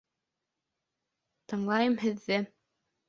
Тыңлайым һеҙҙе!